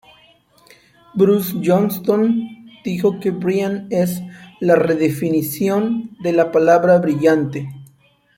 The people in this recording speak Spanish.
Bruce Johnston dijo que Brian es: "la redefinición de la palabra brillante".